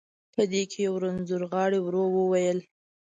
په دې کې یو رنځور غاړي، ورو وویل.